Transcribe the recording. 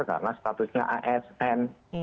karena statusnya asn